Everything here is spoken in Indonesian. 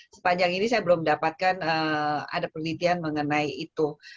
sepanjang ini saya belum dapatkan ada penelitian mengenai itu